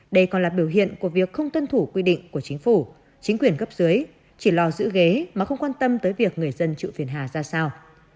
đây còn là biểu hiện của việc không tuân thủ quy định của chính phủ chính quyền cấp dưới chỉ lo giữ ghế mà không quan tâm tới việc người dân chịu phiền hà ra sao